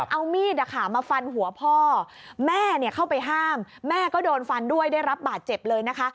เอามีดมาฟันหัวพ่อแม่เข้าไปห้ามแม่ก็โดนฟันด้วยได้รับบาดเจ็บเลยนะคะ